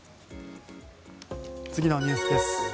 次のニュースです。